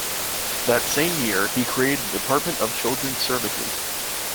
That same year, he created the Department of Children's Services.